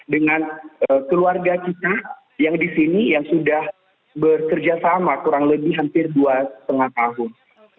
dengan keluarga kita yang di sini yang sudah bekerja sama kurang lebih hampir dua lima tahun